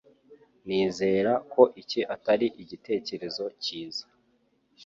Nizera ko iki atari igitekerezo cyiza.